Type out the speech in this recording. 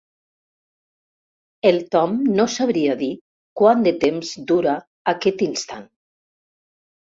El Tom no sabria dir quant de temps dura aquest instant.